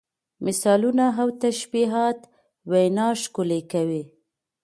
مثالونه او تشبیهات وینا ښکلې کوي.